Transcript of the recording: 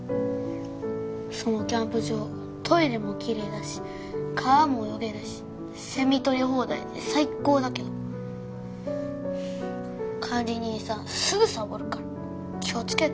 そのキャンプ場トイレもきれいだし川も泳げるしセミ捕り放題で最高だけど管理人さんすぐサボるから気をつけて。